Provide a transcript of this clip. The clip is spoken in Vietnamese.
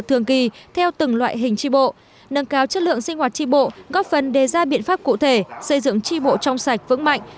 thường kỳ theo từng loại hình tri bộ nâng cao chất lượng sinh hoạt tri bộ góp phần đề ra biện pháp cụ thể xây dựng tri bộ trong sạch vững mạnh